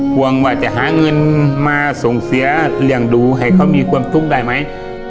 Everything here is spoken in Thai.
ห่วงว่าจะหาเงินมาส่งเสียเลี้ยงดูให้เขามีความทุกข์ได้ไหม